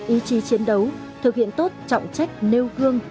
ý chí chiến đấu thực hiện tốt trọng trách nêu gương